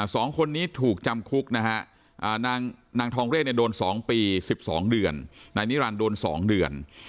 สองคนนี้ถูกจำคุกนะฮะนางทองเรศเนี่ยโดน๒ปี๑๒เดือนนายนิรันดิ์โดน๒เดือน